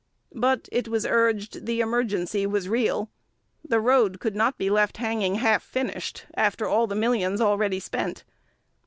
But, it was urged, the emergency was real. The road could not be left hanging half finished, after all the millions already spent.